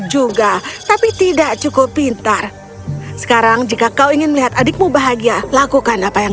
juga tapi tidak cukup pintar sekarang jika kau ingin melihat adikmu bahagia lakukan apa yang